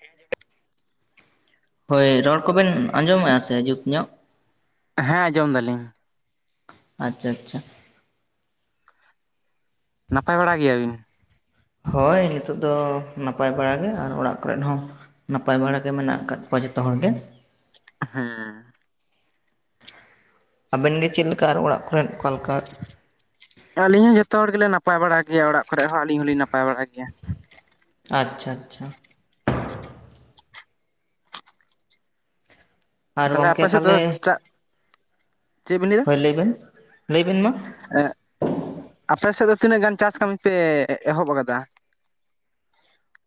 ᱦᱮᱸ... ᱦᱳᱭ ᱨᱚᱲ ᱠᱚᱵᱮᱱ ᱟᱸᱡᱚᱢᱮᱜᱼᱟ ᱥᱮ ᱡᱩᱛ ᱧᱚᱜ ᱦᱮᱸ ᱟᱸᱡᱚᱢ ᱫᱟᱞᱤᱧ᱾ ᱟᱪᱪᱷᱟ ᱟᱪᱪᱷᱟ ᱱᱟᱯᱟᱭ ᱵᱟᱲᱟ ᱜᱮᱭᱟᱵᱤᱱ? ᱦᱳᱭ ᱱᱤᱛᱚᱜ ᱫᱚ ᱱᱟᱯᱟᱭ ᱵᱟᱲᱟᱟᱜ ᱜᱮ ᱟᱨ ᱚᱲᱟᱜ ᱠᱚᱨᱮᱫ ᱦᱚᱸ ᱱᱟᱯᱟᱭ ᱵᱟᱲᱟ ᱜᱮ ᱢᱮᱱᱟᱜ ᱟᱠᱟᱫ ᱠᱚᱣᱟ ᱡᱚᱛᱚ ᱦᱚᱲ ᱜᱮ? ᱦᱩᱸ ᱟᱵᱮᱱ ᱜᱮ ᱪᱮᱫᱞᱮᱠᱟ ᱟᱨ ᱚᱲᱟᱜ ᱠᱚᱨᱮ ᱚᱠᱟᱞᱮᱠᱟ? ᱟᱹᱞᱤᱧ ᱦᱚᱸ ᱡᱚᱛᱚ ᱦᱚᱲ ᱜᱮᱞᱮ ᱱᱟᱯᱟᱭ ᱵᱟᱲᱟ ᱜᱮᱭᱟ ᱚᱲᱟᱜ ᱠᱚᱨᱮ ᱦᱚᱸ ᱟᱹᱞᱤᱧ ᱦᱚᱸᱞᱤᱧ ᱱᱟᱯᱟᱭ ᱵᱟᱲᱟ ᱜᱮᱭᱟ᱾ ᱟᱪᱪᱷᱟ ᱟᱪᱪᱷᱟ ᱟᱨ ᱛᱟᱞᱦᱮ ᱜᱚᱢᱠᱮ ᱟᱯᱮ ᱥᱮᱫ ᱫᱚ ᱛᱟᱦᱚᱞᱮ ᱪᱟᱜ ᱪᱮᱜ ᱵᱤᱱ ᱞᱟᱹᱭᱫᱟ ᱦᱳᱭ ᱞᱟᱹᱭ ᱵᱮᱱ ᱞᱟᱹᱭ ᱵᱮᱱ ᱢᱟ ᱮᱸ ᱟᱯᱮ ᱥᱮᱫ ᱫᱚ ᱛᱤᱱᱟᱹᱜ ᱜᱟᱱ ᱪᱟᱥ ᱠᱟᱹᱢᱤ ᱯᱮ ᱮᱦᱚᱵ ᱟᱠᱟᱫᱟ?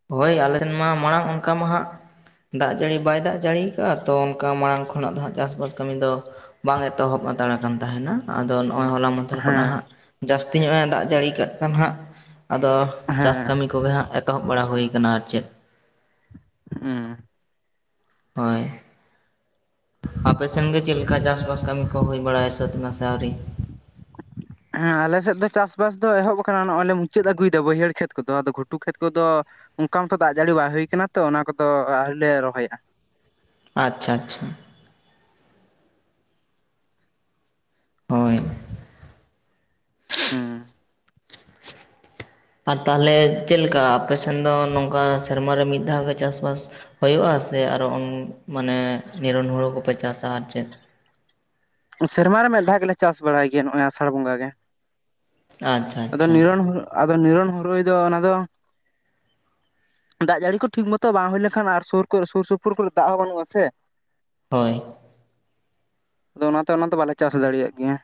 ᱦᱳᱭ ᱟᱞᱮ ᱴᱷᱮᱱ ᱢᱟ ᱢᱟᱲᱟᱝ ᱚᱱᱠᱟ ᱢᱟ ᱦᱟᱸᱜ, ᱫᱟᱜ ᱡᱟᱹᱲᱤ ᱵᱟᱭ ᱫᱟᱜ ᱡᱟᱹᱲᱤᱭᱟ ᱟᱠᱟᱫᱼᱟ ᱛᱚ ᱚᱱᱠᱟ ᱢᱟᱲᱟᱝ ᱠᱷᱚᱱᱟᱜ ᱫᱚ ᱦᱟᱸᱜ ᱪᱟᱥᱵᱟᱥ ᱠᱟᱹᱢᱤ ᱫᱚ, ᱵᱟᱝ ᱮᱛᱚᱦᱚᱵ ᱦᱟᱛᱟᱲᱟ ᱠᱟᱱ ᱛᱟᱦᱮᱱᱟ ᱟᱫᱚ ᱱᱚᱜᱼᱚᱭ ᱦᱚᱞᱟ ᱢᱟᱫᱷᱮᱨ ᱦᱮᱸ ᱠᱷᱚᱱᱟᱜᱵᱦᱟᱸᱜ ᱡᱟᱹᱥᱛᱤ ᱧᱚᱜᱼ ᱮ ᱫᱟᱜ ᱡᱟᱹᱲᱤ ᱠᱟᱜ ᱠᱷᱟᱱ ᱦᱟᱸᱜ ᱟᱫᱚ ᱪᱟᱥ ᱦᱮᱸ ᱠᱟᱹᱢᱤ ᱠᱚᱜᱮ ᱦᱟᱸᱜ ᱮᱛᱚᱦᱚᱵ ᱵᱟᱲᱟ ᱦᱩᱭᱠ ᱟᱨ ᱪᱮᱫ᱾ ᱦᱮᱸ ᱦᱳᱭ ᱟᱯ ᱥᱮᱱᱜ ᱪᱮᱫ ᱞᱮᱠᱟ ᱪᱟᱥᱵᱟᱥ ᱠᱟᱹᱢᱤ ᱠᱚ ᱦᱩᱭ ᱵᱟᱲᱟᱭᱟ ᱥᱟᱹᱛ ᱱᱟᱥᱮ ᱟᱹᱣᱨᱤ? [inaudible] ᱦᱮᱸ ᱟᱞᱮ ᱥᱮᱫ ᱫᱚ ᱪᱟᱥᱵᱟᱥ ᱫᱚ ᱮᱦᱚᱵ ᱟᱠᱟᱱᱟ ᱱᱚᱜᱼᱚᱭ ᱞᱮ ᱢᱩᱪᱟᱹᱫ ᱟᱹᱜᱩᱭᱮᱫᱟ ᱵᱟᱹᱭᱦᱟᱹᱲ ᱠᱷᱮᱛ ᱠᱚᱫᱚ ᱟᱫᱚ ᱜᱷᱩᱴᱩ ᱠᱷᱮᱛ ᱠᱚᱫᱚ ᱚᱱᱠᱟ ᱢᱚᱛᱚ ᱫᱟᱜ ᱡᱟᱹᱲᱤ ᱵᱟᱭ ᱦᱩᱭ ᱟᱠᱟᱱᱟ ᱛᱚ ᱚᱱᱟ ᱠᱚᱫᱚ ᱟᱹᱣᱨᱤᱮᱞ ᱞᱮ ᱨᱚᱦᱚᱭᱟ ᱟᱪᱪᱷᱟ ᱟᱪᱪᱷᱟ ᱦᱳᱭ ᱦᱮᱸ ᱟᱨ ᱛᱟᱦᱚᱞᱮ ᱪᱮᱫ ᱞᱮᱠᱟ ᱟᱯᱮᱥᱱ ᱫᱚ ᱱᱚᱝᱠᱟ ᱥᱮᱨᱢᱮ ᱢᱤᱫ ᱫᱷᱟᱣ ᱜᱮ ᱪᱟᱥᱵᱟᱥ ᱦᱩᱭᱩᱜᱼᱟᱥ ᱟᱨᱚ ᱢᱟᱱᱮ ᱱᱤᱨᱚᱱ ᱦᱩᱲᱩ ᱠᱚᱯᱮ ᱪᱟᱥᱟ ᱟᱨ ᱪᱮᱫ? ᱥᱮᱨᱢᱟ ᱨᱮ ᱢᱤᱫ ᱫᱷᱟᱣ ᱜᱮᱞᱮ ᱪᱟᱥ ᱵᱟᱲᱟᱭ ᱜᱮᱭᱟ ᱱᱚᱜᱼᱚᱭ ᱟᱥᱟᱲ ᱵᱚᱸᱜᱟ ᱜᱮ ᱟᱪᱪᱷᱟ ᱟᱫᱚ ᱟᱪᱪᱷᱟ ᱱᱤᱨᱚᱱ ᱦᱚ ᱟᱫᱚ ᱱᱤᱨᱱ ᱦᱩᱨᱩᱭ ᱫᱚ ᱟᱱᱟ ᱫᱚ ᱫᱟᱜ ᱡᱟᱹᱲᱤ ᱠᱚ ᱴᱷᱤᱠ ᱢᱚᱛᱚ ᱵᱟᱝ ᱦᱩᱭ ᱞᱮᱱᱠᱷᱟᱱ ᱟᱨ ᱥᱩᱨ ᱠᱚᱨᱮ ᱥᱩᱨ ᱥᱩᱯᱩᱨ ᱠᱚᱨᱮ ᱫᱟᱜ ᱦᱚᱸ ᱵᱟᱹᱱᱩᱜᱼᱟ ᱥᱮ ᱾ ᱦᱳᱭ ᱟᱫᱚ ᱚᱱᱟᱛᱮ ᱚᱱᱟ ᱫᱚ ᱵᱟᱞᱮ ᱪᱟᱥ ᱫᱟᱲᱮᱭᱟᱜ ᱜᱮᱭᱟ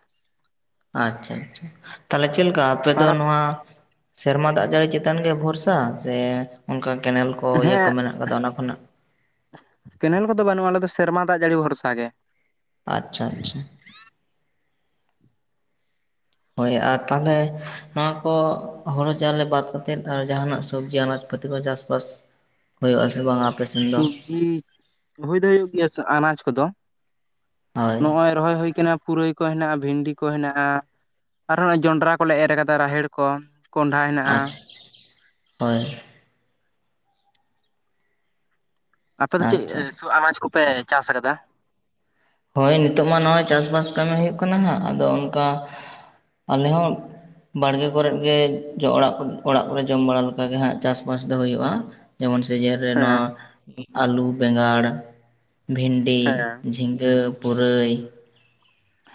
ᱟᱪᱪᱷᱟ ᱟᱪᱪᱷᱟ ᱛᱟᱦᱞᱮ ᱪᱮᱫᱞ ᱞᱮᱠᱟ ᱟᱯᱮ ᱫᱚ ᱟᱨ ᱱᱚᱣᱟ ᱥᱮᱨᱢᱟ ᱫᱟᱜ ᱡᱟᱹᱲᱤ ᱪᱮᱛᱟᱱ ᱜᱮ ᱵᱷᱚᱨᱥᱟ ᱥᱮ ᱚᱱᱠᱟ ᱠᱮᱱᱮᱞ ᱠᱚ ᱤᱭᱟᱹ ᱠᱚ ᱦᱮᱸ ᱢᱮᱱᱟᱜ ᱟᱠᱟᱫᱟ ᱚᱱᱟ ᱠᱷᱚᱱᱟᱜ ᱠᱮᱱᱮᱞ ᱠᱚᱫᱚ ᱵᱟᱹᱱᱩᱜᱼᱟ ᱟᱞᱮ ᱫᱚ ᱥᱮᱨᱢᱟ ᱫᱟᱜ ᱡᱟᱹᱲᱤ ᱵᱷᱚᱨᱥᱟ ᱜᱮ ᱟᱪᱪᱷᱟ ᱟᱪᱪᱷᱟ ᱦᱳᱭ ᱟᱨ ᱛᱟᱦᱚᱞᱮ ᱱᱚᱣᱟ ᱠᱚ ᱦᱳᱲᱳ ᱪᱟᱣᱞᱮ ᱵᱟᱫ ᱠᱟᱛᱮᱫ ᱟᱨ ᱡᱟᱦᱟᱱᱟᱜ ᱥᱚᱵᱽᱡᱤ ᱟᱱᱟᱡᱯᱟᱹᱛᱤ ᱠᱚ ᱪᱟᱥᱼᱵᱟᱥ ᱦᱩᱭᱩᱜᱼᱟ ᱥᱮ ᱵᱟᱝᱟ? ᱥᱚᱵᱽᱡᱤ ᱦᱩᱭ ᱫᱚ ᱦᱩᱭᱩᱜ ᱜᱮᱭᱟ ᱥᱮ ᱟᱱᱟᱡ ᱠᱚᱫᱚ ᱦᱳᱭ ᱱᱚᱜᱼᱚᱭ ᱨᱚᱦᱚᱭ ᱦᱩᱭ ᱟᱠᱟᱱᱟ ᱯᱩᱨᱟᱹᱭ ᱠᱚ ᱦᱮᱱᱟᱜᱼᱟ ᱵᱷᱤᱱᱰᱤ ᱠᱚ ᱦᱮᱱᱟᱜᱼᱟ ᱟᱨᱦᱚᱸ ᱡᱚᱸᱰᱨᱟ ᱠᱚᱞᱮ ᱮᱨ ᱠᱟᱫᱟ ᱨᱟᱦᱮᱲ ᱠᱚ ᱠᱚᱸᱰᱷᱟ ᱦᱮᱱᱟᱜᱼᱟ ᱟᱨ ᱦᱳᱭ ᱟᱯᱮ ᱫᱚ ᱟᱪᱪᱷᱟ ᱪᱮᱫ ᱟᱱᱟᱡ ᱠᱚᱯᱮ ᱪᱟᱥ ᱟᱠᱟᱫᱟ? ᱦᱳᱭ ᱱᱤᱛᱚᱜ ᱢᱟ ᱱᱚᱜᱼᱚᱭ ᱪᱟᱥᱵᱟᱥ ᱠᱟᱹᱢᱤ ᱦᱩᱭᱩᱜ ᱠᱟᱱᱟ ᱦᱟᱸᱜ ᱟᱫᱚ ᱚᱱᱠᱟ ᱟᱞᱮ ᱦᱚᱸ ᱵᱟᱲᱜᱮ ᱠᱚᱨᱮᱫ ᱜᱮ ᱚᱲᱟᱜ ᱚᱲᱟᱜ ᱠᱚᱨᱮ ᱡᱚᱢ ᱵᱟᱲᱟ ᱞᱮᱠᱟᱜ ᱜᱮ ᱦᱟᱸᱜ ᱪᱟᱥᱵᱟᱥ ᱫᱚ ᱦᱩᱭᱩᱜᱼᱟ ᱡᱮᱢᱚᱱ ᱥᱤᱡᱤᱱ ᱨᱮ ᱦᱮᱸ ᱱᱚᱣᱟ ᱟᱹᱞᱩ ᱵᱮᱸᱜᱟᱲ ᱵᱷᱤᱱᱰᱤ ᱦᱮᱸ ᱡᱷᱤᱸᱜᱟᱹ ᱟᱹ ᱯᱩᱨᱟᱹᱭ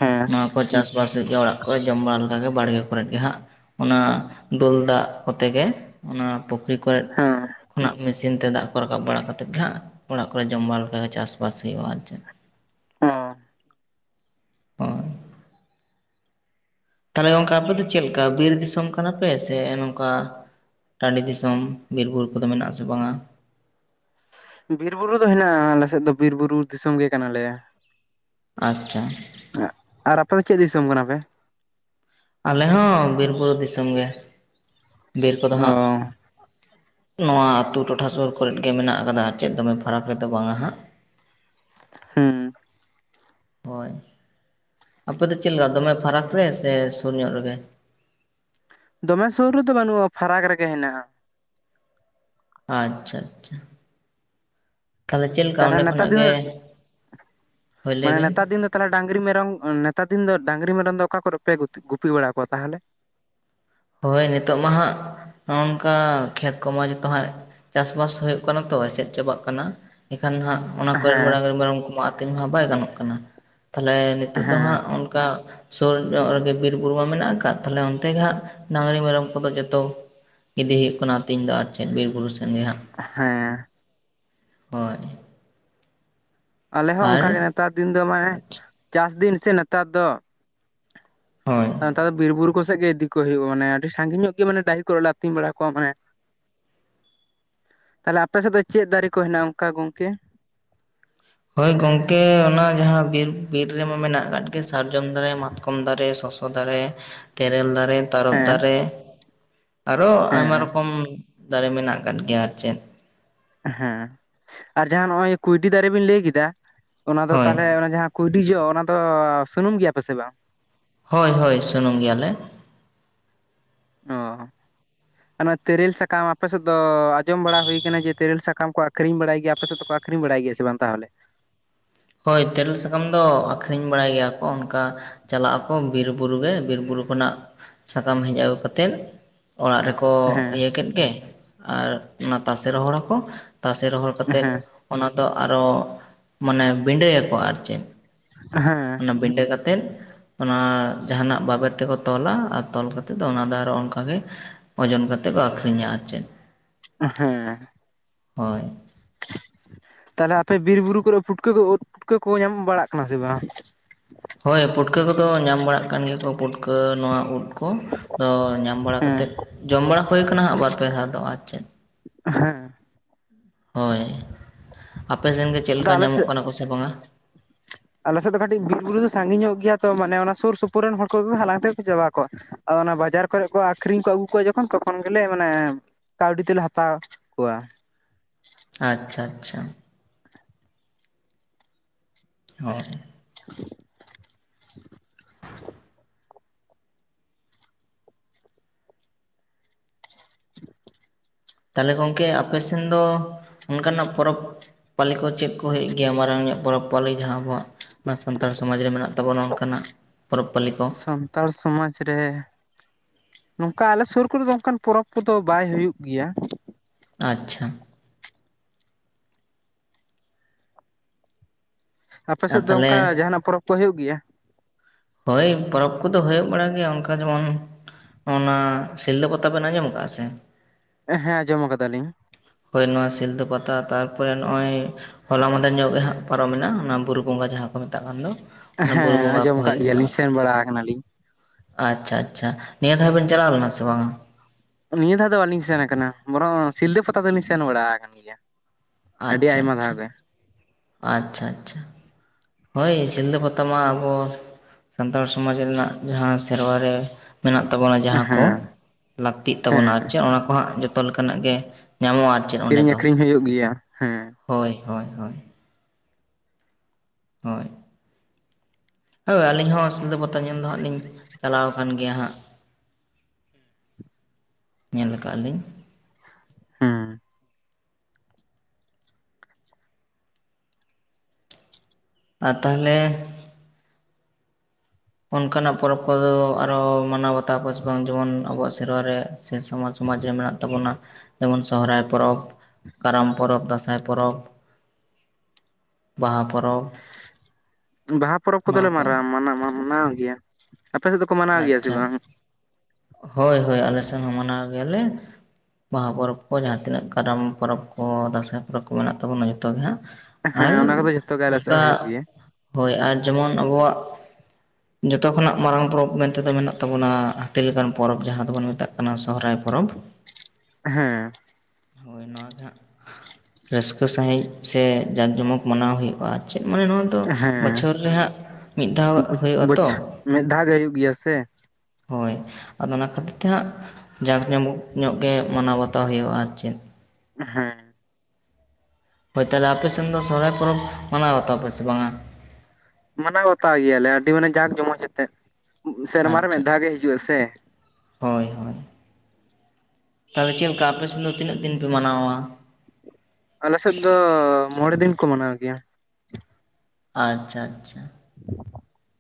ᱦᱮᱸ ᱱᱚᱣᱟ ᱠᱚ ᱪᱟᱥᱵᱟᱥ ᱞᱟᱹᱜᱤᱫ ᱜᱮ ᱚᱲᱟᱜ ᱠᱚ ᱡᱚᱢ ᱵᱟᱲᱟ ᱞᱮᱠᱟᱜᱮ ᱵᱟᱲᱜᱮ ᱠᱚᱨᱮᱫ ᱜᱮ ᱦᱟᱸᱜ ᱚᱱᱟ ᱫᱩᱞ ᱫᱟᱜ ᱠᱚᱛᱮ ᱜᱮ ᱚᱱᱟ ᱯᱩᱠᱷᱨᱤ ᱠᱚᱨᱮ ᱦᱮᱸ ᱠᱷᱚᱱᱟᱜ ᱢᱮᱥᱤᱱ ᱛᱮ ᱫᱟᱜ ᱠᱚ ᱨᱟᱠᱟᱵ ᱵᱟᱲᱟ ᱠᱟ ᱠᱟᱛᱮᱫ ᱜᱮ ᱦᱟᱜ ᱚᱲᱟᱜ ᱠᱚᱨᱮ ᱡᱚᱢ ᱵᱟᱲᱟ ᱞᱮᱠᱟ ᱪᱟᱥᱵᱟᱥ ᱦᱩᱭᱩᱜᱼᱟ ᱟᱨ ᱪᱮᱫ ᱦᱚᱸ ᱦᱚ ᱛᱟᱦᱚᱞᱮ ᱚᱱᱠᱟ ᱟᱯᱮ ᱫᱚ ᱪᱮᱫ ᱞᱮᱠᱟ ᱵᱤᱨ ᱫᱤᱥᱚᱢ ᱠᱟᱱᱟᱯᱮ ᱥᱮ ᱱᱚᱝᱠᱟ ᱴᱟᱺᱰᱤ ᱫᱤᱥᱚᱢ ᱵᱤᱨ ᱵᱩᱨᱩ ᱠᱚᱫᱚ ᱢᱮᱱᱟᱜᱼᱟ ᱟᱥᱮ ᱵᱟᱝᱟ? ᱵᱤᱨ ᱵᱩᱨᱩ ᱫᱚ ᱦᱮᱱᱟᱜᱼᱟ ᱟᱞᱮ ᱥᱮᱫ ᱫᱚ ᱵᱤᱨ ᱵᱩᱨᱩ ᱫᱤᱥᱚᱢ ᱜᱮ ᱠᱟᱱᱟᱞᱮ ᱟᱪᱪᱷᱟ ᱟᱜ ᱟᱯᱮ ᱫᱚ ᱪᱮᱫ ᱫᱤᱥᱚᱢ ᱠᱟᱱᱟ ᱯᱮ? ᱟᱞᱮ ᱦᱚᱸ ᱵᱤᱨ ᱵᱩᱨᱩ ᱫᱤᱥᱚᱢ ᱜᱮ ᱵᱤᱨ ᱠᱚᱫᱚ ᱦᱟᱸᱜ ᱚ ᱱᱚᱣᱟ ᱟᱛᱳ ᱴᱚᱴᱷᱟ ᱥᱩᱨ ᱠᱚᱨᱮᱫ ᱜᱮ ᱢᱮᱱᱟᱜ ᱟᱠᱟᱫᱟ ᱟᱨ ᱪᱮᱫ ᱫᱚᱢᱮ ᱯᱷᱟᱨᱟᱠ ᱨᱮᱫᱚ ᱵᱟᱝᱟ ᱦᱟᱸᱜ ᱦᱩᱸ ᱦᱳᱭ ᱟᱯᱮ ᱫᱚ ᱪᱮᱫ ᱞᱮᱠᱟ ᱫᱚᱢᱮ ᱯᱷᱟᱨᱟᱠ ᱨᱮ ᱥᱮ ᱥᱩᱨ ᱧᱚᱜ ᱨᱮᱜᱮ? ᱫᱚᱢᱮ ᱥᱩᱨ ᱨᱮᱫᱚ ᱵᱟᱹᱱᱩᱜᱼᱟ ᱯᱷᱟᱨᱟᱠ ᱨᱮᱜᱮ ᱦᱮᱱᱟᱜᱼᱟ ᱟᱪᱪᱷᱟ ᱟᱪᱪᱷᱟ ᱛᱟᱦᱚᱞᱮ ᱪᱮᱫ ᱞᱮᱠᱟ ᱛᱟᱦᱚᱞᱮ ᱚᱸᱰᱮ ᱱᱮᱛᱟᱨ ᱠᱷᱚᱱᱟᱜ ᱫᱤᱱ ᱜᱮ ᱫᱚ ᱦᱳᱭ ᱢᱟᱱᱮ ᱞᱟᱹᱭᱵᱤᱱ ᱱᱮᱛᱟᱨ ᱫᱤᱱ ᱫᱚ ᱛᱟᱦᱚᱞᱮ ᱰᱟᱹᱝᱨᱤ ᱢᱮᱨᱚᱢ ᱱᱮᱛᱟᱨ ᱫᱤᱱ ᱫᱚ ᱰᱟᱹᱝᱨᱤ ᱢᱮᱨᱚᱢ ᱫᱚ ᱚᱠᱟ ᱠᱚᱨᱮ ᱯᱮ ᱜᱩᱯᱤ ᱵᱟᱲᱟ ᱠᱚᱣᱟ ᱛᱟᱦᱚᱞᱮ? ᱦᱳᱭ ᱱᱤᱛᱚᱜ ᱢᱟ ᱦᱟᱸᱜ ᱱᱚᱜᱼᱚ ᱱᱚᱝᱠᱟ ᱠᱷᱮᱛ ᱠᱚᱢᱟ ᱡᱚᱛᱚ ᱦᱟᱸᱜ ᱪᱟᱥ ᱵᱟᱥ ᱦᱳᱭᱳᱜ ᱠᱟᱱᱟ ᱛᱚ ᱮᱥᱮᱫ ᱪᱟᱵᱟᱜ ᱠᱟᱱᱟ ᱮᱠᱷᱟᱱ ᱦᱟᱸᱜ ᱚᱱᱟ ᱠᱚᱨᱮ ᱦᱮᱸ ᱰᱟᱹᱝᱨᱤ ᱢᱮᱨᱚᱢ ᱠᱚᱢᱟ ᱟᱹᱛᱤᱧ ᱢᱟ ᱵᱟᱭ ᱜᱟᱱᱚᱜ ᱠᱟᱱᱟ, ᱛᱟᱦᱞᱮ ᱱᱤᱛᱚᱜ ᱫᱚ ᱦᱮᱸ ᱦᱟᱸᱜ ᱚᱱᱠᱟ ᱥᱳᱨ ᱧᱚᱜ ᱨᱮᱜᱮ ᱵᱤᱨ ᱵᱩᱨᱩ ᱢᱟ ᱢᱮᱱᱟᱜ ᱟᱠᱟᱫ ᱛᱟᱦᱚᱞᱮ ᱚᱱᱛᱮ ᱜᱮ ᱦᱟᱸᱜ ᱰᱟᱹᱝᱨᱤ ᱢᱮᱨᱚᱢ ᱠᱚᱫᱚ ᱡᱚᱛᱚ ᱤᱫᱤ ᱦᱩᱭᱩᱜ ᱠᱟᱱᱟ ᱟᱛᱤᱧ ᱫᱚ ᱟᱨ ᱪᱮᱫ ᱵᱤᱨ ᱵᱩᱨᱩ ᱥᱮᱱ ᱜᱮ ᱦᱟᱸᱜ ᱦᱮᱸ ᱦᱳᱭ ᱟᱞᱮ ᱦᱚᱸ ᱟᱨ ᱚᱱᱠᱟᱜᱮ ᱱᱮᱛᱟᱨ ᱫᱤᱱ ᱫᱚ ᱢᱟᱱᱮ ᱟᱪᱪᱷᱟ ᱪᱟᱥ ᱫᱤᱱ ᱥᱮ ᱱᱮᱛᱟᱨ ᱫᱚ ᱦᱳᱭ ᱱᱮᱛᱟᱨ ᱫᱚ ᱵᱤᱨᱵᱩᱨᱩ ᱠᱚ ᱥᱮᱫ ᱜᱮ ᱤᱫᱤ ᱠᱚ ᱦᱩᱭᱩᱜᱼᱟ ᱢᱟᱱᱮ ᱟᱹᱰᱤ ᱥᱟᱺᱜᱤᱧ ᱧᱚᱜ ᱜᱮ ᱢᱟᱱᱮ ᱰᱟᱹᱦᱤ ᱠᱚᱨᱮ ᱞᱮ ᱟᱹᱛᱤᱧ ᱵᱟᱲᱟ ᱠᱚᱣᱟ ᱢᱟᱱᱮ [inaudible] ᱛᱟᱦᱚᱞᱮ ᱟᱯᱮ ᱥᱮᱫ ᱫᱚ ᱪᱮᱫ ᱫᱟᱨᱮ ᱠᱚ ᱦᱮᱱᱟᱜᱼᱟ ᱚᱱᱠᱟ ᱜᱚᱝᱠᱮ? ᱦᱳᱭ ᱜᱚᱝᱠᱮ ᱚᱱᱟ ᱡᱟᱦᱟᱸ ᱵᱤᱨ ᱵᱤᱨ ᱨᱮᱢᱟ ᱢᱮᱱᱟᱜ ᱟᱠᱟᱫ ᱜᱮ ᱥᱟᱨᱡᱚᱢ ᱫᱟᱨᱮ, ᱢᱟᱛᱠᱚᱢ ᱫᱟᱨᱮ, ᱥᱚᱥᱚ [unintelligible] ᱫᱟᱨᱮ, ᱛᱮᱨᱮᱞ ᱫᱟᱨᱮ ᱛᱟᱨᱚᱚᱵ ᱦᱮᱸ ᱫᱟᱨᱮ, ᱟᱨᱚ ᱦᱮᱸ ᱟᱭᱢᱟ ᱨᱚᱠᱚᱢ ᱫᱟᱨᱮ ᱢᱮᱱᱟᱜ ᱟᱠᱟᱫ ᱜᱮᱭᱟ ᱟᱨ ᱪᱮᱫ ᱦᱮᱸ ᱟᱨ ᱡᱟᱦᱟᱸ ᱱᱚᱜ-ᱚᱭ ᱠᱩᱭᱴᱤ ᱫᱟᱨᱮ ᱵᱤᱱ ᱞᱮ ᱠᱮᱫᱟ ᱚᱱᱟ ᱫᱚ ᱦᱳᱭ ᱛᱟᱦᱞᱮ ᱚᱱᱟ ᱡᱟᱦᱟᱸ ᱠᱩᱭᱰᱤ ᱡᱚ ᱚᱱᱟ ᱫᱚ ᱥᱩᱱᱩᱢ ᱜᱮᱭᱟ ᱯᱮᱥᱮ ᱵᱟᱝ ᱦᱳᱭ ᱦᱳᱭ ᱥᱩᱱᱩᱢ ᱜᱮᱭᱟᱞᱮ [inaudible] ᱚ [unintelligible] ᱛᱮᱨᱮᱞ ᱥᱟᱠᱟᱢ ᱟᱯᱮ ᱥᱮᱫ ᱫᱚ ᱟᱸᱡᱚᱢ ᱵᱟᱲᱟ ᱦᱳᱭ ᱠᱟᱱᱟ, ᱡᱮ ᱛᱮᱨᱮᱞ ᱥᱟᱠᱟᱢ ᱠᱚ ᱟᱠᱷᱨᱤᱧ ᱵᱟᱲᱟᱭ ᱜᱮᱭᱟᱯᱮ ᱥᱮᱫ ᱫᱚᱠᱚ ᱟᱹᱠᱷᱨᱤᱧ ᱵᱟᱲ ᱜᱮᱭᱟ ᱥᱮ ᱵᱟᱝ ᱛᱟᱦᱚᱞᱮ ᱦᱳᱭ ᱛᱮᱨᱮᱞ ᱥᱟᱠᱟᱢ ᱫᱚ ᱟᱠᱷᱨᱤᱧ ᱵᱟᱲᱟᱭ ᱜᱮᱭᱟ ᱠᱚ ᱚᱱᱠᱟ ᱪᱟᱞᱟᱜ ᱟᱠᱚ ᱵᱤᱨ ᱵᱩᱨ ᱜᱮ ᱵᱤᱨ ᱵᱩᱨᱩ ᱠᱷᱚᱱᱟᱜ ᱥᱟᱠᱟᱢ ᱦᱮᱡ ᱟᱹᱜᱩ ᱠᱟᱛᱮᱫ ᱚᱲᱟᱜ ᱨᱮᱠᱚ ᱠᱚ ᱦᱮᱸ ᱤᱭᱟᱹ ᱠᱮᱫ ᱜᱮ ᱟᱨ ᱚᱱᱟ ᱛᱟᱥᱮ ᱨᱚᱦᱚᱲ ᱟᱠᱚ ᱛᱟᱥᱮ ᱨᱚᱦᱚᱲ ᱠᱟᱛᱮᱫ ᱦᱮᱸ ᱚᱱᱟ ᱫᱚ ᱟᱨᱚ ᱢᱟᱱᱮ ᱵᱤᱰᱟᱹᱭᱟᱠᱚ ᱟᱨ ᱪᱮᱫ ᱚᱱᱟ ᱦᱮᱸ ᱵᱤᱰᱟᱹ ᱠᱟᱛᱮᱫ ᱚᱱᱟ ᱡᱟᱦᱟᱱᱟᱜ ᱵᱟᱵᱮᱨ ᱛᱮᱠᱚ ᱛᱚᱞᱟ ᱟᱨ ᱛᱚᱞ ᱠᱟᱛᱮᱫ ᱚᱱᱟ ᱫᱚ ᱟᱨᱚ ᱚᱱᱠᱟ ᱜᱮ ᱳᱡᱳᱱ ᱠᱟᱛᱮᱫ ᱠᱚ ᱟᱠᱷᱨᱤᱧᱟ ᱟᱨ ᱪᱮᱫ ᱦᱮᱸ ᱦᱳᱭ ᱛᱟᱦᱞᱮ ᱟᱯᱮ ᱵᱤᱨ ᱵᱩᱨᱩ ᱠᱚᱨᱮ ᱯᱩᱴᱠᱟᱹ ᱠᱚ ᱳᱫ ᱯᱩᱴᱠᱟᱹ ᱠᱚ ᱧᱟᱢ ᱵᱟᱲᱟᱜ ᱠᱟᱱᱟ ᱥᱮ ᱵᱟᱝ ᱦᱳᱭ ᱯᱩᱴᱠᱟᱹ ᱠᱚᱫᱚ ᱧᱟᱢ ᱵᱟᱲᱟᱜ ᱠᱟᱱ ᱜᱮᱭᱟ ᱠᱚ ᱯᱩᱴᱠᱟᱹ ᱱᱚᱣᱟ ᱩᱫ ᱠᱚ ᱫᱚ ᱧᱟᱢ ᱵᱟᱲᱟ ᱦᱮᱸ ᱠᱟᱛᱮᱫ ᱡᱚᱢ ᱵᱟᱲᱟ ᱦᱳᱭ ᱠᱟᱱᱟ ᱦᱟᱸᱜ ᱵᱟᱨ ᱯᱮ ᱫᱷᱟᱣ ᱫᱚ ᱟᱨ ᱪᱮᱫ ᱦᱮᱸ ᱦᱳᱭ ᱟᱯᱮ ᱥᱮᱱ ᱜᱮ ᱪᱮᱫ ᱟᱫᱚ ᱞᱮᱠᱟ ᱟᱞᱮ ᱧᱟᱢᱚᱜ ᱥᱮᱫ ᱠᱟᱱᱟ ᱠᱚᱥᱮ ᱵᱟᱝᱼᱟ ᱟᱞᱮ ᱥᱮᱫ ᱫᱚ ᱠᱟᱹᱴᱤᱡ ᱵᱤᱨᱵᱩᱨᱩ ᱫᱚ ᱥᱟᱺᱜᱤᱧᱚᱜ ᱜᱮᱭᱟ ᱛᱚ ᱢᱟᱱᱮ ᱚᱱᱟ ᱥᱩᱨ ᱥᱩᱯᱩᱨ ᱨᱮᱱ ᱦᱚᱲ ᱠᱚᱜᱮ ᱠᱚ ᱦᱟᱞᱟᱝ ᱛᱮᱜᱮ ᱠᱚ ᱪᱟᱵᱟ ᱠᱚᱣᱟ ᱟᱫᱚ ᱚᱱᱟ ᱵᱟᱡᱟᱨ ᱠᱚᱨᱮᱜ ᱠᱚ ᱟᱠᱷᱨᱤᱧ ᱠᱚ ᱟᱹᱜᱩ ᱠᱚᱣᱟ ᱡᱚᱠᱷᱚᱱ ᱛᱚᱠᱷᱚᱱ ᱜᱮᱞᱮ ᱢᱟᱱᱮ ᱠᱟᱹᱣᱰᱤ ᱛᱮᱞᱮ ᱦᱟᱛᱟᱣ ᱠᱚᱣᱟ ᱟᱪᱪᱷᱟ ᱟᱪᱪᱷᱟ ᱦᱚ [unintelligible] ᱛᱟᱦᱚᱞᱮ ᱜᱚᱝᱠᱮ ᱟᱯᱮ ᱥᱮᱱ ᱫᱚ ᱚᱱᱠᱟᱱᱟᱜ ᱯᱚᱨᱚᱵᱽ ᱯᱟᱹᱞᱤ ᱠᱚ ᱪᱮᱫ ᱠᱚ ᱦᱳᱭᱳᱜ ᱜᱮᱭᱟ ᱢᱟᱨᱟᱝ ᱯᱚᱨᱚᱵᱽ ᱯᱟᱹᱞᱤ ᱡᱟᱦᱟᱸ ᱟᱵᱚᱣᱟᱜ ᱱᱚᱣᱟ ᱥᱟᱱᱛᱟᱲ ᱥᱚᱢᱟᱡᱽ ᱨᱮ ᱢᱮᱱᱟᱜ ᱛᱟᱵᱚᱱᱟ ᱚᱱᱠᱟᱱᱟᱜ ᱯᱚᱨᱚᱵᱽ ᱯᱟᱹᱞᱤ ᱠᱚ ᱥᱟᱱᱛᱟᱲ ᱥᱚᱢᱟᱡᱽ ᱨᱮ ᱱᱚᱝᱠᱟ ᱟᱞᱮ ᱥᱳᱨ ᱠᱚᱨᱮ ᱫᱚ ᱚᱱᱠᱟᱱ ᱯᱚᱨᱚᱵᱽ ᱠᱚᱫᱚ ᱵᱟᱭ ᱦᱩᱭᱩᱜ ᱜᱮᱭᱟ ᱟᱪᱪᱷᱟ ᱟᱯᱮ ᱟᱨ ᱥᱮᱫ ᱫᱚ ᱛᱟᱦᱚᱞᱮ ᱚᱱᱠᱟ ᱡᱟᱦᱟᱱᱟᱜ ᱯᱚᱨᱚᱵᱽ ᱠᱚ ᱦᱳᱭᱳᱜ ᱜᱮᱭᱟ ᱦᱳᱭ ᱯᱚᱨᱚᱵᱽ ᱠᱚᱫᱚ ᱦᱳᱭᱳᱜ ᱵᱟᱲᱟ ᱜᱮᱭᱟ ᱚᱱᱠᱟ ᱡᱮᱢᱚᱱ ᱚᱱᱟ ᱥᱤᱞᱫᱟᱹ ᱯᱟᱛᱟ ᱵᱮᱱ ᱟᱸᱡᱚᱢ ᱠᱟᱜ-ᱟ ᱥᱮ ᱦᱮᱸ ᱟᱡᱚᱢ ᱠᱟᱫᱟᱞᱤᱧ ᱦᱳᱭ ᱱᱚᱣᱟ ᱥᱤᱞᱫᱟᱹ ᱯᱟᱛᱟ ᱛᱟᱨᱯᱚᱨᱮ ᱱᱚᱜᱼᱚᱭ ᱦᱚᱞᱟ ᱢᱟᱸᱫᱮᱨ ᱧᱚᱜ ᱜᱮ ᱦᱟᱸᱜ ᱚᱱᱟ ᱵᱩᱨᱩ ᱵᱚᱸᱜᱟ ᱡᱟᱦᱟᱸ ᱠᱚ ᱢᱮᱛᱟᱜ ᱠᱟᱱ ᱫᱚ ᱾ ᱦᱮᱸ ᱟᱸᱡᱚᱢ ᱠᱟᱜ ᱜᱮᱭᱟᱞᱤᱧ ᱥᱮᱱ ᱵᱟᱲᱟ ᱟᱠᱟᱱᱟᱞᱤᱧ ᱾ ᱟᱪᱪᱷᱟ ᱟᱪᱪᱷᱟ, ᱱᱤᱭᱟᱹ ᱫᱷᱟᱣ ᱵᱮᱱ ᱪᱟᱞᱟᱣ ᱞᱮᱱᱟ ᱥᱮ ᱵᱟᱝᱟ? ᱱᱤᱭᱟᱹ ᱫᱷᱟᱣ ᱫᱚ ᱵᱟᱞᱤᱧ ᱥᱮᱱ ᱟᱠᱟᱱᱟ ᱵᱚᱨᱚᱝ ᱥᱤᱞᱫᱟᱹ ᱯᱟᱛᱟ ᱫᱚᱞᱤᱧ ᱥᱮᱱ ᱵᱟᱲᱟ ᱟᱠᱟᱱ ᱜᱮᱭᱟ ᱾ ᱟᱪᱪᱷᱟ ᱟᱪᱪᱷᱟ ᱟᱪᱪᱷᱟ ᱟᱪᱪᱷᱟ ᱾ ᱦᱳᱭ ᱥᱤᱞᱫᱟᱹ ᱯᱟᱛᱟ ᱢᱟ ᱟᱵᱚ ᱥᱟᱱᱛᱟᱲ ᱥᱚᱢᱟᱡᱽ ᱨᱮᱱᱟᱜ ᱡᱟᱦᱟᱸ ᱥᱮᱨᱣᱟ ᱨᱮ ᱢᱮᱱᱟᱜ ᱛᱟᱵᱚᱱᱟ ᱡᱟᱦᱟᱸ ᱠᱚ ᱦᱮᱸ ᱞᱟᱹᱠᱛᱤᱜ ᱛᱟᱵᱚᱱᱟ ᱦᱮᱸ ᱪᱮ ᱚᱱᱟ ᱠᱚ ᱦᱟᱸᱜ ᱛᱚᱞ ᱠᱟᱱᱟᱜ ᱜᱮ ᱧᱟᱢᱚᱜᱼᱟ ᱾ ᱠᱤᱨᱤᱧ ᱟᱠᱷᱨᱤᱧ ᱦᱩᱭᱩᱜ ᱜᱮᱭᱟ ᱦᱮᱸ᱾ ᱦᱳᱭ ᱦᱳᱭ ᱦᱳᱭ ᱦᱳᱭ ᱦᱳᱭ ᱟᱹᱞᱤᱧ ᱦᱚᱸ ᱥᱤᱞᱫᱟᱹ ᱯᱟᱛᱟ ᱧᱮᱞ ᱫᱚ ᱦᱟᱸᱜ ᱞᱤᱧ ᱪᱟᱞᱟᱣ ᱟᱠᱟᱱ ᱜᱮᱭᱟ ᱦᱟᱸᱜ ᱾ ᱧᱮᱞ ᱠᱟᱜ ᱞᱤᱧ ᱾ ᱦᱩᱸ ᱾ ᱟᱨ ᱛᱟᱦᱚᱞᱮ ᱚᱱᱠᱟᱱᱟᱜ ᱯᱚᱨᱚᱵᱽ ᱠᱚᱫᱚ ᱟᱨᱚ ᱢᱟᱱᱟᱣ ᱵᱟᱛᱟᱣ ᱠᱚ ᱥᱮ ᱵᱟᱝ ᱡᱮᱢᱚᱱ ᱟᱵᱚᱣᱟᱜ ᱥᱮᱨᱣᱟ ᱨᱮ ᱥᱮ ᱥᱚᱢᱟᱡᱽ ᱥᱚᱢᱟᱡᱽ ᱨᱮ ᱢᱮᱱᱟᱜ ᱛᱟᱵᱚᱱᱟ ᱡᱮᱢᱚᱱ ᱥᱚᱦᱨᱟᱭ ᱯᱚᱨᱚᱵᱽ ᱾ ᱠᱟᱨᱟᱢ ᱯᱚᱨᱚᱵᱽ ᱫᱟᱸᱥᱟᱭ ᱯᱚᱨᱚᱵᱽ ᱾ ᱵᱟᱦᱟ ᱯᱚᱨᱚᱵᱽ ᱾ ᱵᱟᱦᱟ ᱯᱚᱨᱚᱵᱽ ᱠᱚᱫᱚᱞᱮ ᱢᱟᱱᱟ ᱢᱟᱱᱟᱣ ᱜᱮᱭᱟ ᱟᱯᱮ ᱥᱮᱫ ᱫᱚᱠᱚ ᱢᱟᱱᱟᱣ ᱜᱮᱭᱟ ᱥᱮ ᱟᱪᱪᱷᱟ ᱵᱟᱝ? ᱦᱳᱭ ᱦᱳᱭ ᱟᱞᱮᱥᱮᱱ ᱦᱚᱸ ᱢᱟᱱᱟᱣ ᱜᱮᱭᱟᱞᱮ, ᱵᱟᱦᱟ ᱯᱚᱨᱚᱵᱽ ᱠᱚ, ᱡᱟᱦᱟᱸ ᱛᱤᱱᱟᱹᱜ ᱠᱟᱨᱟᱢ ᱯᱚᱨᱚᱵᱽ ᱠᱚ ᱫᱟᱸᱥᱟᱭ ᱯᱚᱨᱚᱵᱽ ᱠᱚ ᱢᱮᱱᱟᱜ ᱛᱟᱵᱚᱱᱟ, ᱡᱚᱛᱚ ᱜᱮ ᱦᱟᱸᱜ ᱾ ᱦᱮᱸ ᱟᱨ ᱚᱱᱟ ᱠᱚᱫᱚ ᱡᱷᱚᱛᱚ ᱜᱮ ᱟᱞᱮ ᱥᱮᱫ ᱚᱱᱠᱟ ᱦᱩᱭᱩᱜ ᱜᱮᱭᱟ ᱦᱳᱭ ᱟᱨ ᱡᱮᱢᱚᱱ ᱟᱵᱚᱣᱟᱜ ᱡᱚᱛᱚ ᱠᱷᱚᱱᱟᱜ ᱢᱟᱨᱟᱝ ᱯᱚᱨᱚᱵᱽ ᱢᱮᱱᱛᱮᱫᱚ ᱢᱮᱱᱟᱜ ᱛᱟᱵᱚᱱᱟ ᱾ ᱦᱟᱹᱛᱤ ᱞᱮᱠᱟᱱ ᱯᱚᱨᱚᱵᱽ ᱡᱟᱦᱟᱸ ᱫᱚᱵᱚᱱ ᱢᱮᱛᱟᱜ ᱠᱟᱱᱟ ᱥᱚᱦᱚᱨᱟᱭ ᱯᱚᱨᱚᱵᱽ᱾ ᱦᱮᱸ᱾ ᱦᱳᱭ ᱱᱚᱣᱟ ᱜᱮ ᱦᱟᱸᱜ ᱨᱟᱹᱥᱠᱟᱹ ᱥᱟᱹᱦᱤᱡ ᱥᱮ ᱡᱟᱠ ᱡᱚᱢᱚᱠ ᱢᱟᱱᱟᱣ ᱦᱩᱭᱩᱜᱼᱟ ᱟᱨ ᱪᱮᱫ ᱢᱟᱱᱮ ᱱᱚᱣᱟ ᱫᱚ ᱦᱮᱸ ᱵᱚᱪᱷᱚᱨ ᱨᱮ ᱦᱟᱸᱜ ᱢᱤᱫ ᱫᱷᱟᱣ ᱦᱳᱭᱩᱜ-ᱟ ᱵᱚᱪ ᱛᱚ ᱢᱤᱫ ᱫᱷᱟᱣ ᱜᱮ ᱦᱩᱭᱩᱜ ᱜᱮᱭᱟ ᱥᱮ ᱾ ᱦᱳᱭ ᱟᱫᱚ ᱚᱱᱟ ᱠᱷᱟᱹᱛᱤ ᱛᱮᱦᱟᱸᱜ ᱡᱟᱸᱠ ᱡᱚᱢᱚᱠ ᱧᱚᱜ ᱜᱮ ᱢᱟᱱᱟᱣ ᱵᱟᱛᱟᱣ ᱦᱩᱭᱩᱜᱼᱟ ᱟᱨ ᱪᱮᱫ ᱾ ᱦᱮᱸ ᱾ ᱦᱳᱭ ᱛᱟᱦᱚᱞᱮ ᱟᱯᱮ ᱥᱮᱱ ᱫᱚ ᱥᱚᱨᱟᱭ ᱯᱚᱨᱚᱵᱽ ᱢᱟᱱᱟᱣ ᱵᱟᱛᱟᱣ ᱟᱯᱮ ᱥᱮ ᱵᱟᱝᱟ? ᱢᱟᱱᱟᱣ ᱵᱟᱛᱟᱣ ᱜᱮᱭᱟᱞᱮ ᱟᱹᱰᱤ ᱢᱟᱱᱮ ᱡᱟᱸᱠ ᱡᱚᱢᱚ ᱡᱮᱛᱮᱜ ᱥᱮᱨᱢᱟᱨ ᱨᱮ ᱟᱪᱪᱷᱟ ᱢᱤᱫ ᱫᱷᱟᱣ ᱜᱮ ᱦᱤᱡᱩᱜ-ᱟ ᱥᱮ ᱾ ᱦᱳᱭ ᱦᱳᱭ᱾ ᱛᱟᱦᱚᱞᱮ ᱪᱮᱫ ᱞᱮᱠᱟ ᱟᱯᱮ ᱥᱮᱱ ᱫᱚ ᱛᱤᱱᱟᱹᱜ ᱫᱤᱱ ᱯᱮ ᱢᱟᱱᱟᱣᱟ ᱾ ᱟᱞᱮᱥᱮᱫ ᱫᱚ ᱢᱚᱬᱮ ᱫᱤᱱ ᱠᱚ ᱢᱟᱱᱟᱣ ᱜᱮᱭᱟ ᱾ ᱟᱪᱪᱷᱟ ᱟᱪᱪᱷᱟ ᱾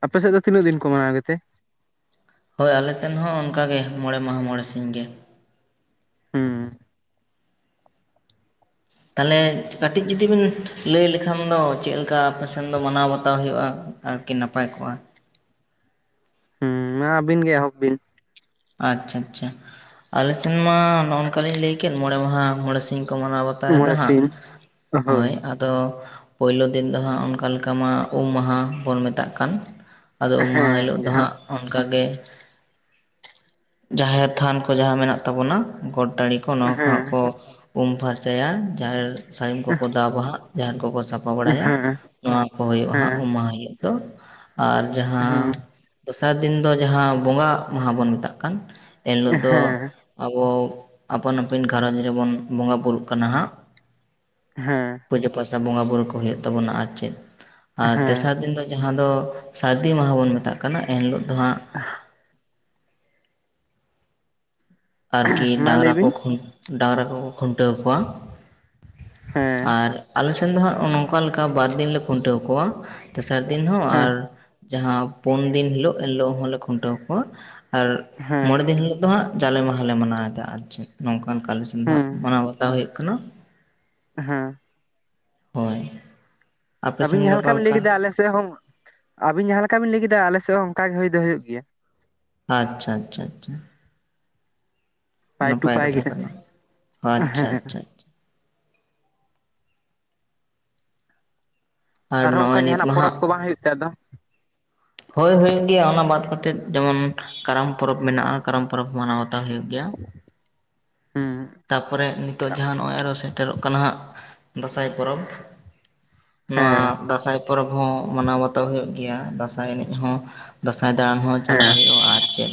ᱟᱯᱮ ᱥᱮᱜ ᱫᱚ ᱛᱤᱱᱟᱹᱜ ᱫᱤᱱ ᱠᱚ ᱢᱟᱱᱟᱣ ᱜᱮᱛᱮ? ᱦᱳᱭ ᱟᱞᱮᱥᱮᱱ ᱦᱚᱸ ᱚᱱᱠᱟ ᱜᱮ ᱢᱚᱬᱮ ᱢᱟᱦᱟ ᱢᱚᱬᱮ ᱥᱤᱧ ᱜᱮ ᱾ ᱦᱩᱸ᱾ ᱛᱟᱦᱚᱞᱮ ᱠᱟᱹᱴᱤᱡ ᱡᱩᱫᱤ ᱵᱤᱱ ᱞᱟᱹᱭ ᱞᱮᱠᱷᱟᱱ ᱫᱚ ᱪᱮᱫ ᱞᱮᱠᱟ ᱟᱯᱮᱥᱮᱱ ᱫᱚ ᱢᱟᱱᱟᱣ ᱵᱟᱛᱟᱣ ᱦᱩᱭᱩᱜᱼᱟ ᱾ ᱟᱨᱠᱤ ᱱᱟᱯᱟᱭ ᱠᱚᱜᱼᱟ ᱾ ᱦᱩᱸ ᱢᱟ ᱟᱵᱤᱱ ᱜᱤ ᱮᱦᱚᱵ ᱵᱤᱱ? ᱟᱪᱪᱷᱟ ᱟᱪᱪᱷᱟ ᱟᱞᱮᱥᱮᱱ ᱢᱟ ᱱᱚᱝᱠᱟᱞᱤᱧ ᱞᱟᱹᱭᱠᱮᱫ ᱢᱚᱬᱮ ᱢᱟᱦᱟ ᱢᱚᱬᱮ ᱥᱤᱧ ᱾ ᱠᱚ ᱢᱟᱱᱟᱣ ᱵᱟᱛᱟᱣᱮᱫᱟ ᱢᱚᱬᱮ ᱦᱟᱸᱜ ᱥᱤᱧ ᱦᱳᱭ ᱛᱚ ᱯᱳᱭᱞᱳ ᱫᱤᱱ ᱫᱚ ᱦᱟᱸᱜ ᱚᱱᱠᱟ ᱞᱮᱠᱟ ᱢᱟ ᱩᱢ ᱢᱟᱦᱟ ᱵᱚᱱ ᱢᱮᱛᱟᱜ ᱠᱟᱱ ᱾ ᱟᱫᱚ ᱩᱢ ᱢᱟᱦᱟ ᱦᱤᱞᱳᱜ ᱦᱮᱸ ᱫᱚ ᱡᱟᱦᱟᱸ ᱦᱟᱸᱜ ᱚᱱᱠᱟᱜ ᱜᱮ, ᱡᱟᱦᱮᱨ ᱛᱷᱟᱱ ᱠᱚ ᱡᱟᱦᱟᱸ ᱢᱮᱱᱟᱜ ᱛᱟᱵᱚᱱᱟ, ᱜᱚᱴ ᱴᱟᱨᱤ ᱠᱚ ᱱᱚᱣᱟ ᱠᱚ ᱦᱟᱸᱜ ᱦᱮᱸ ᱠᱚ ᱩᱢ ᱯᱷᱟᱨᱪᱟᱭᱟ ᱡᱟᱦᱮᱨ ᱥᱟᱹᱲᱤᱢ ᱠᱚᱠᱚ ᱫᱟᱵᱟᱦᱟᱜ ᱡᱟᱦᱮᱨ ᱠᱚᱠᱚ ᱥᱟᱯᱷᱟ ᱵᱚᱸᱜᱟ ᱵᱟᱲᱟᱭᱟ ᱦᱮᱸ ᱱᱚᱣᱟ ᱠᱚ ᱦᱩᱭᱩᱜᱼᱟ ᱦᱟᱸᱜ ᱦᱮᱸ ᱩᱢ ᱢᱟᱦᱟᱸ ᱦᱤᱞᱚᱜ ᱫᱚ ᱟᱨ ᱦᱩᱸ ᱡᱟᱦᱟᱸ ᱫᱚᱥᱟᱨ ᱫᱤᱱ ᱫᱚ ᱡᱟᱦᱟᱸ ᱵᱚᱸᱜᱟ ᱢᱟᱦᱟ ᱵᱚᱱ ᱢᱮᱛᱟᱜ ᱠᱟᱱ ᱮᱱ ᱦᱤᱞᱳᱜ ᱫᱚ ᱦᱮᱸ ᱟᱵᱚ ᱟᱯᱟᱱ ᱟᱹᱯᱤᱱ ᱜᱷᱟᱨᱚᱸᱡᱽ ᱨᱮᱵᱚᱱ ᱵᱚᱸᱜᱟ ᱵᱩᱨᱩᱜ ᱠᱟᱱᱟ ᱦᱟᱸᱜ ᱾ ᱦᱮᱸ ᱯᱩᱡᱟᱹ ᱯᱟᱥᱴᱟ ᱵᱚᱸᱜᱟ ᱵᱩᱨᱩ ᱠᱚ ᱦᱩᱭᱩᱜ ᱛᱟᱵᱚᱱᱟ ᱟᱨ ᱪᱮᱫ ᱟᱨ ᱦᱮᱸ ᱛᱮᱥᱟᱨ ᱫᱤᱱ ᱫᱚ ᱡᱟᱦᱟᱸ ᱫᱚ ᱥᱟᱹᱨᱫᱤ ᱢᱟᱦᱟ ᱵᱚᱱ ᱢᱮᱛᱟᱜ ᱠᱟᱱᱟ ᱮᱱ ᱦᱤᱞᱚᱜ ᱫᱚ ᱦᱟᱸᱜ [inaudible] ᱟᱨᱠᱤ ᱢᱟ ᱰᱟᱝᱨᱟ ᱞᱟᱹᱭ ᱠᱚ ᱵᱤᱱ ᱠᱷᱩᱱ, ᱰᱟᱝᱨᱟ ᱠᱚᱠᱚ ᱠᱷᱩᱱᱴᱟᱹᱣ ᱠᱚᱣᱟ ᱦᱮᱸ ᱟᱨ ᱟᱞᱮ ᱥᱮᱱ ᱫᱚ ᱦᱟᱸᱜ ᱚᱱᱚ ᱱᱚᱝᱠᱟ ᱞᱮᱠᱟ ᱵᱟᱨ ᱫᱤᱱ ᱞᱮ ᱠᱷᱩᱱᱴᱟᱹᱣ ᱠᱚᱣᱟ ᱛᱮᱥᱟᱨ ᱫᱤᱱ ᱦᱚᱸ ᱦᱮᱸ ᱟᱨ ᱡᱟᱦᱟᱸ ᱯᱩᱱ ᱫᱤᱱ ᱦᱤᱞᱳᱜ ᱮᱱ ᱦᱤᱞᱳᱜ ᱦᱚᱸᱞᱮ ᱠᱷᱩᱱᱴᱟᱹᱣ ᱠᱚᱣᱟ ᱟᱨ ᱦᱮᱸ ᱢᱚᱬᱮ ᱫᱤᱱ ᱦᱤᱞᱳᱜ ᱫᱚ ᱦᱟᱸᱜ ᱡᱟᱞᱮ ᱢᱟᱦᱟᱸ ᱞᱮ ᱢᱟᱱᱟᱣ ᱮᱫᱟ ᱟᱨ ᱪᱮᱫ ᱱᱚᱝᱠᱟᱱ ᱠᱟᱱ ᱟᱞᱮ ᱥᱮᱱ ᱫᱚ ᱦᱩᱸ ᱦᱟᱸᱜ ᱢᱟᱱᱟᱣ ᱵᱟ- -ᱛᱟᱣ ᱦᱩᱭᱩᱜ ᱠᱟᱱᱟ ᱦᱮᱸ ᱾ ᱦᱳᱭ ᱟᱯᱮ ᱥᱮᱱ ᱟᱵᱤᱱ ᱜᱮ ᱡᱟᱦᱟᱸ ᱞᱮᱠᱟ ᱚᱠᱟ ᱵᱤᱱ ᱞᱟᱹᱭ ᱠᱮᱫᱟ ᱟᱞᱮ ᱥᱮᱜ ᱦᱚ, ᱸ ᱟᱵᱤᱱ ᱡᱟᱦᱟᱸ ᱞᱮᱠᱟ ᱵᱤᱱ ᱞᱟᱹᱭ ᱠᱮᱫᱟ ᱟᱞᱮᱥᱮᱱ ᱦᱚᱸ ᱚᱝᱠᱟ ᱜᱮ ᱦᱩᱭ ᱫᱚ ᱦᱩᱭᱩᱜ ᱜᱮᱭᱟ ᱟᱪᱪᱷᱟ ᱟᱪᱪᱷᱟ ᱟᱪᱪᱷᱟ ᱯᱟᱭ ᱴᱩ ᱱᱟᱯᱟᱭ ᱯᱟᱭ ᱠᱟᱛᱷᱟ ᱜᱮ ᱠᱟᱱᱟ᱾ ᱟᱪᱪᱷᱟ ᱟᱪᱪᱷᱟ ᱟᱪᱪᱷᱟ ᱟᱨ ᱟᱨᱦᱚᱸ ᱚᱱᱠᱟ ᱱᱚᱜᱼᱚᱭ ᱡᱟᱦᱟᱸ ᱱᱤᱛ ᱱᱟᱜ ᱢᱟ ᱯᱚᱨᱚᱵᱽ ᱦᱟᱸᱜ ᱠᱚ ᱵᱟᱝ ᱦᱩᱭᱩᱜ ᱛᱮ ᱟᱫᱚ ᱦᱳᱭ ᱦᱩᱭ ᱮᱱ ᱜᱮᱭᱟ ᱚᱱᱟ ᱵᱟᱫ ᱠᱟᱛᱮᱫ ᱡᱮᱢᱚᱱ ᱠᱟᱨᱟᱢ ᱯᱚᱨᱚᱵᱽ ᱢᱮᱱᱟᱜᱼᱟ ᱠᱟᱨᱟᱢ ᱯᱚᱨᱚᱵᱽ ᱢᱟᱱᱟᱣ ᱴᱚ ᱦᱩᱭᱩᱜ ᱜᱮᱭᱟ ᱦᱩᱸ ᱛᱟᱨᱯᱚᱨᱮ ᱱᱤᱛᱚᱜ ᱡᱟᱦᱟᱸ ᱱᱚᱜᱼᱚᱭ ᱟᱨᱚ ᱥᱮᱴᱮᱨᱚᱜ ᱠᱟᱱᱟ ᱦᱟᱸᱜ ᱫᱟᱸᱥᱟᱭ ᱯᱚᱨᱚᱵᱽ ᱱᱚᱣᱟ ᱦᱮᱸ ᱫᱟᱸᱥᱟᱭ ᱯᱚᱨᱚᱵᱽ ᱦᱚᱸ ᱢᱟᱱᱟᱣ ᱵᱟᱛᱟᱣ ᱦᱩᱭᱩᱜ ᱜᱮᱭᱟ ᱫᱟᱸᱥᱟᱭ ᱮᱱᱮᱡ ᱦᱚᱸ ᱫᱟᱸᱥᱟᱭ ᱫᱟᱸᱬᱟᱱ ᱦᱚᱸ ᱪᱟᱞᱟᱜ ᱦᱮᱸ ᱦᱩᱭᱩᱜᱼᱟ ᱟᱨ ᱪᱮᱫ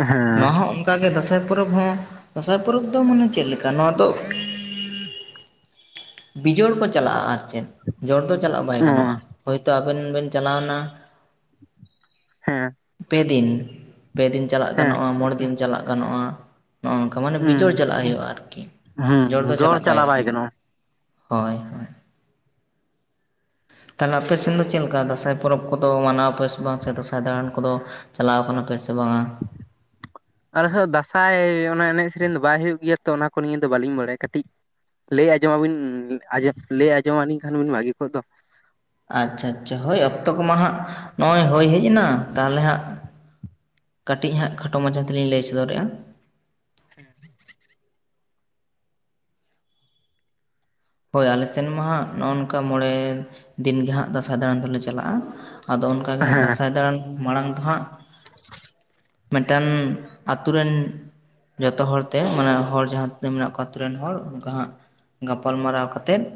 ᱦᱮᱸ ᱱᱚᱣᱟ ᱦᱚᱸ ᱚᱝᱠᱟ ᱜᱮ ᱫᱟᱸᱥᱟᱭ ᱯᱚᱨᱚᱵᱽ ᱦᱚᱸ ᱫᱟᱸᱥᱟᱭ ᱯᱚᱨᱚᱵᱽ ᱫᱚ ᱢᱟᱱᱮ ᱪᱮᱫ ᱞᱮᱠᱟ ᱱᱚᱣᱟ ᱫᱚ ᱵᱤᱡᱚᱲ ᱠᱚ ᱪᱟᱞᱟᱜᱼᱟ ᱟᱨ ᱪᱮᱫ ᱡᱚᱲ ᱫᱚ ᱪᱟᱞᱟᱜ ᱵᱟᱭ ᱜᱟᱱᱚᱜᱼᱟ ᱦᱳᱭ ᱛᱚ ᱟᱵᱮᱱ ᱵᱮᱱ ᱪᱟᱞᱟᱣᱱᱟ ᱦᱮᱸ ᱯᱮ ᱫᱤᱱ ᱯᱮᱫᱤᱱ ᱪᱟᱞᱟᱜ ᱦᱮᱸ ᱜᱟᱱᱚᱜᱼᱟ ᱢᱚᱲᱮ ᱫᱤᱱ ᱪᱟᱞᱟᱜ ᱜᱟᱱᱚᱜᱼᱟ᱾ ᱚᱱᱠᱟ ᱢᱟᱱᱮ ᱦᱩᱸ ᱵᱤᱡᱚᱲ ᱪᱟᱞᱟᱜ ᱦᱩᱭᱩᱜᱼᱟ ᱟᱨᱠᱤ ᱡᱚᱲ ᱫᱚ ᱪᱟᱞᱟᱜ ᱵᱟᱭ ᱜᱟᱱᱚᱜᱼᱟ ᱦᱳᱭ᱾ ᱦᱳᱭ ᱛᱟᱦᱚᱞᱮ ᱟᱯᱮ ᱥᱮᱱ ᱫᱚ ᱪᱮᱫ ᱞᱮᱠᱟ ᱫᱟᱸᱥᱟᱭ ᱯᱚᱨᱚᱵᱽ ᱠᱚᱫᱚ ᱢᱟᱱᱟᱣ ᱟᱯᱮ ᱥᱮ ᱵᱟᱝ ᱥᱮ ᱫᱟᱸᱥᱟᱭ ᱫᱟᱲᱟᱱ ᱠᱚᱫᱚ ᱪᱟᱞᱟᱣ ᱟᱠᱟᱱᱟ ᱯᱮ ᱥᱮ ᱵᱟᱝᱼᱟ ᱟᱞᱮ ᱥᱮᱫᱚ ᱫᱟᱸᱥᱟᱭ ᱚᱱᱟ ᱮᱱᱮᱡ ᱥᱮᱨᱮᱧ ᱫᱚ ᱵᱟᱭ ᱦᱩᱭᱩᱜ ᱜᱮᱭᱟ ᱛᱚ ᱚᱱᱟ ᱠᱚ ᱱᱤᱭᱟᱹ ᱫᱚ ᱵᱟᱹᱞᱤᱧ ᱵᱟᱲᱟᱭᱟ ᱠᱟᱹᱴᱤᱡ ᱞᱟᱹᱭ ᱟᱡᱚᱢᱟ ᱵᱤᱱ, ᱞᱟᱹᱭ ᱟᱸᱡᱚᱢᱟ ᱞᱤᱧ ᱠᱷᱟᱱ ᱵᱤᱱ ᱵᱷᱟᱹᱜᱤ ᱠᱚᱜ ᱫᱚ ᱟᱪᱪᱷᱟ ᱟᱪᱪᱷᱟ ᱦᱳᱭ ᱚᱠᱛᱚ ᱠᱚ ᱢᱟ ᱦᱟᱸᱜ ᱱᱚᱜᱼᱚᱭ ᱦᱩᱭ ᱦᱮᱡ ᱮᱱᱟ ᱛᱟᱦᱚᱞᱮ ᱦᱟᱸᱜ ᱠᱟᱹᱴᱤᱡ ᱦᱟᱸᱜ ᱠᱷᱟᱴᱚ ᱢᱟᱪᱷᱟ ᱛᱮᱞᱤᱧ ᱞᱟᱹᱭ ᱥᱚᱫᱚᱨᱮᱜᱼᱟ [inaudible] ᱦᱳᱭ ᱟᱞᱮ ᱥᱮᱱ ᱢᱟ ᱦᱟᱸᱜ ᱱᱚᱜᱼᱚ ᱱᱚᱝᱠᱟ ᱢᱚᱬᱮ ᱫᱤᱱ ᱜᱮ ᱦᱟᱸᱜ ᱫᱟᱸᱥᱟᱭ ᱫᱟᱲᱟᱱ ᱫᱚᱞᱮ ᱪᱟᱞᱟᱜᱼᱟ ᱟᱫᱚ ᱚᱱᱠᱟ ᱜᱮ ᱦᱟᱸᱜ ᱫᱟᱸᱥᱟᱭ ᱫᱟᱲᱟᱱ ᱢᱟᱲᱟᱝ ᱫᱚ ᱦᱟᱸᱜ ᱢᱤᱫᱴᱟᱱ ᱟᱛᱩ ᱨᱮᱱ ᱡᱚᱛᱚ ᱦᱚᱲ ᱛᱮ ᱢᱟᱱᱮ ᱦᱚᱲ ᱡᱟᱦᱟᱸ ᱛᱤᱱᱟᱹᱜ ᱢᱮᱱᱟᱜ ᱠᱚᱣᱟ ᱟᱛᱳ ᱨᱮᱱ ᱦᱚᱲ ᱚᱱᱠᱟ ᱦᱟᱸᱜ ᱜᱟᱞᱢᱟᱨᱟᱣ ᱠᱟᱛᱮᱫ